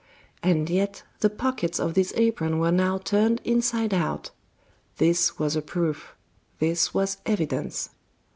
And yet the pockets of this apron were now turned inside out; this was a proof, this was evidence.